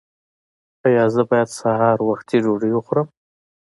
ایا زه باید سهار وختي ډوډۍ وخورم؟